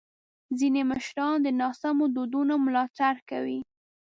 ځینې مشران د ناسم دودونو ملاتړ کوي.